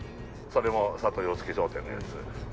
それも佐藤養助商店のやつ。